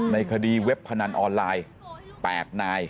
ในคดีเว็บขนาดออนไลน์แปลกนาย